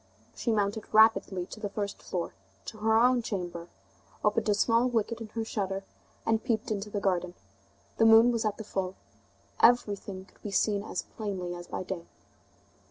She mounted rapidly to the first floor, to her own chamber, opened a small wicket in her shutter, and peeped into the garden. The moon was at the full. Everything could be seen as plainly as by day.